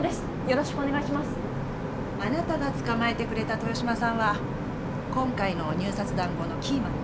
あなたが捕まえてくれた豊島さんは今回の入札談合のキーマンよ。